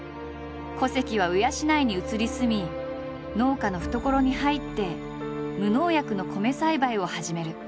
古関は鵜養に移り住み農家の懐に入って無農薬の米栽培を始める。